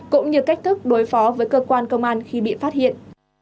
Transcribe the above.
cũng như cách thức đối phó với cơ quan công an khi bị phát hiện